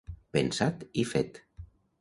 Pensat i fet.